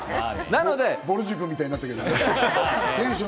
ぼる塾みたいになったけど。